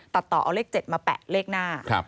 ตัดต่อเอาเลข๗มาแปะเลขหน้า